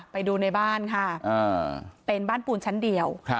ไปดูในบ้านค่ะเป็นบ้านปูนชั้นเดียว